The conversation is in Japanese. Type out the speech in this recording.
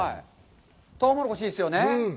トウモロコシ、いいですよね。